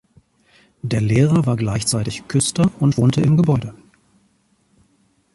Der Lehrer war gleichzeitig Küster und wohnte im Gebäude.